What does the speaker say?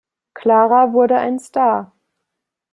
Clara wurde ein Star.